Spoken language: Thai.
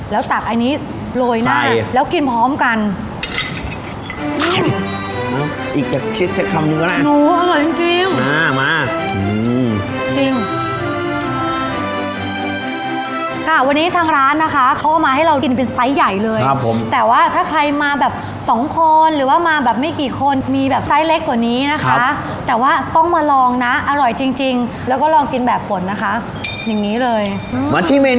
แล้วตักอันนี้โรยหน้าแล้วกินพร้อมกัน